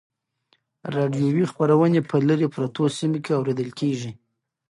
راډیویي خپرونې په لیرې پرتو سیمو کې اورېدل کیږي.